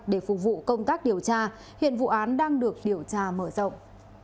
để phục vụ công tác điều tra hiện vụ án đang được điều tra mở rộng